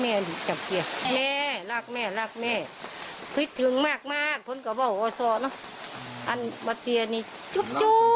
แม่รักแม่รักแม่คิดถึงมากคนก็บอกว่าสองอันมาเจียนี่จุ๊บ